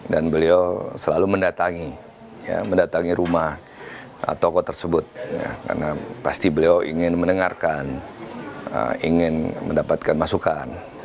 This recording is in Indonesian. dan beliau selalu mendatangi rumah tokoh tersebut karena pasti beliau ingin mendengarkan ingin mendapatkan masukan